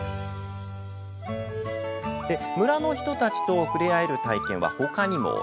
村の人たちと触れ合える体験はほかにも。